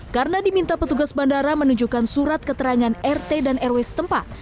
karena diminta petugas bandara menunjukkan surat keterangan rt dan rw setempat